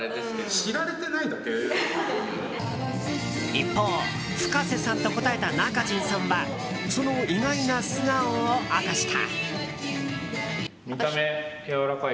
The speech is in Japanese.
一方、Ｆｕｋａｓｅさんと答えたＮａｋａｊｉｎさんはその意外な素顔を明かした。